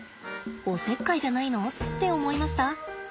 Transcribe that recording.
「おせっかいじゃないの？」って思いました？